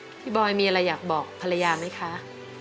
บอยมีอะไรอยากบอกภรรยาไหมคะ